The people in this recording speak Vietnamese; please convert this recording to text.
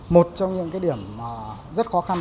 một trong những cái điểm rất khó khăn